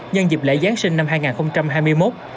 nhân dịp lễ giáng sinh năm hai nghìn hai mươi một